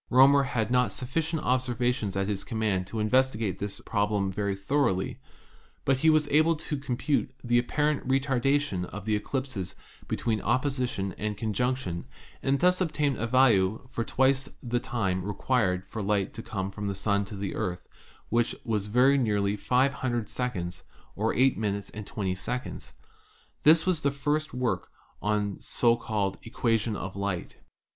Roemer had not sufficient observations at his command to investigate this problem very thoroly, but he was able to compute the apparent retardation of the eclipses between opposition and conjunction and thus to obtain a value for twice the time required for light to come from the Sun to the Earth, which time was very nearly 500 seconds, or eight minutes and twenty seconds. This was the first work on the so called "equation of light."